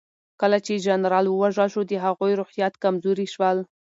کله چې جنرال ووژل شو د هغوی روحيات کمزوري شول.